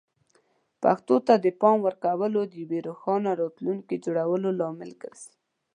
پښتو ته د پام ورکول د یوې روښانه راتلونکې جوړولو لامل ګرځي.